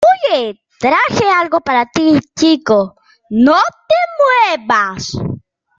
Oye, traje algo para ti , chico. ¡ No te muevas!